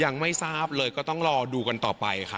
ยังไม่ทราบเลยก็ต้องรอดูกันต่อไปค่ะ